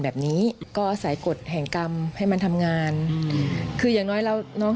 แบบนี้ก็อาศัยกฎแห่งกรรมให้มันทำงานอืมคืออย่างน้อยแล้วน้อง